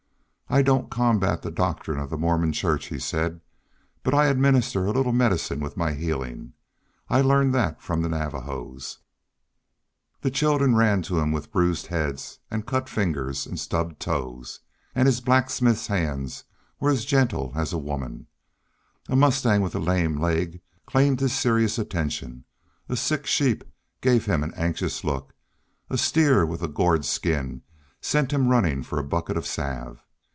"I don't combat the doctrine of the Mormon church," he said, "but I administer a little medicine with my healing. I learned that from the Navajos." The children ran to him with bruised heads, and cut fingers, and stubbed toes; and his blacksmith's hands were as gentle as a woman's. A mustang with a lame leg claimed his serious attention; a sick sheep gave him an anxious look; a steer with a gored skin sent him running for a bucket of salve.